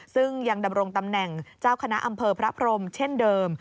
ซึ่งยังดำรงตำแหน่งเจ้าคณะอำเภอพระพรมเช่นเดิม